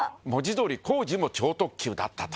源匹工事も超特急だったと。